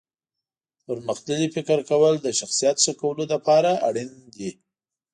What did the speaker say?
پرمختللي فکر کول د شخصیت ښه کولو لپاره اړین دي.